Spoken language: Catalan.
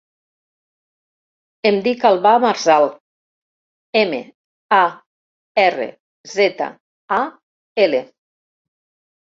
Em dic Albà Marzal: ema, a, erra, zeta, a, ela.